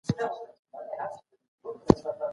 هره څېړنه یو نوی پیل دی.